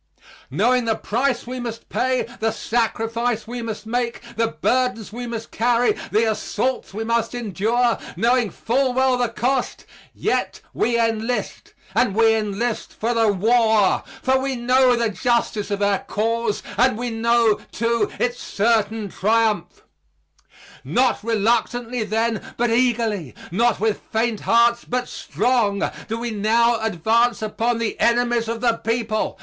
Knowing the price we must pay, the sacrifice we must make, the burdens we must carry, the assaults we must endure knowing full well the cost yet we enlist, and we enlist for the war. For we know the justice of our cause, and we know, too, its certain triumph. Not reluctantly then, but eagerly, not with faint hearts but strong, do we now advance upon the enemies of the people.